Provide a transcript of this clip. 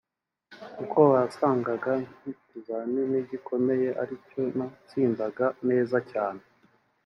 kuko wasangaga nk’ikizamini gikomeye aricyo natsindaga neza cyane